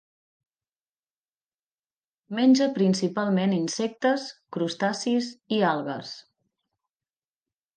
Menja principalment insectes, crustacis i algues.